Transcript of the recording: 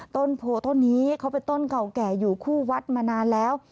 ต้นโพต้นนี้เขาเป็นต้นเก่าแก่อยู่คู่วัดมานานแล้ว